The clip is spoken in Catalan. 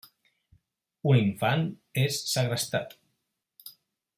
Un infant és segrestat.